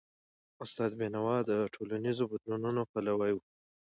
استاد بینوا د ټولنیزو بدلونونو پلوی و.